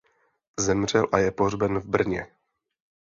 Zemřel a je pohřben v Brně.